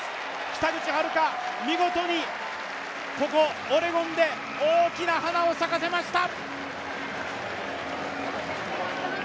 北口榛花、見事にここオレゴンで大きな花を咲かせました。